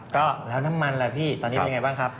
ก็แล้วน้ำมันล่ะพี่ตอนนี้เป็นไงบ้างครับ